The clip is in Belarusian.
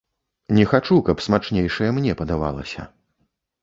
Не хачу, каб смачнейшае мне падавалася!